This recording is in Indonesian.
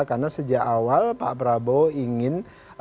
karena sejak awal pak prabowo ingin